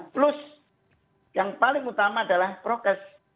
plus yang paling utama adalah prokes